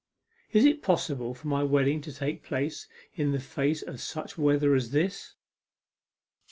Is it possible for my wedding to take place in the face of such weather as this?